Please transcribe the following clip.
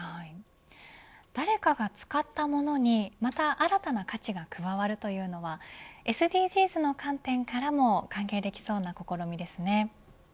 誰かが使ったものに、また新たな価値が加わるというのはＳＤＧｓの観点からも歓迎できそうな試みですね。